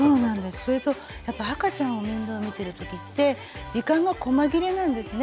それとやっぱ赤ちゃんを面倒見てる時って時間がこま切れなんですね。